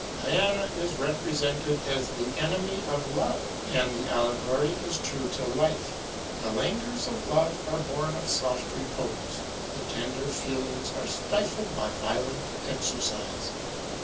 Diana is represented as the enemy of love; and the allegory is true to life; the languors of love are born of soft repose, and tender feelings are stifled by violent exercise.